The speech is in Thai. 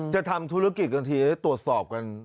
จะทำธุรกิจกันทีจะได้ตรวจสอบกัน